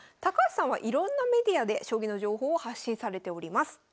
高橋さんはいろんなメディアで将棋の情報を発信されております。